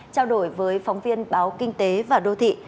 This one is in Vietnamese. trao đổi với phóng viên báo kinh tế và đô thị